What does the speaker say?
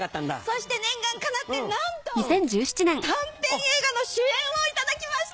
そして念願かなってなんと短編映画の主演を頂きました。